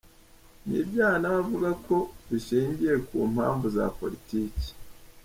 Ni ibyaha na we avuga ko bishingiye ku mpamvu za Politiki.